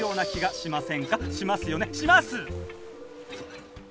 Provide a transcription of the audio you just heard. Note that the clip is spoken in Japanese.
します！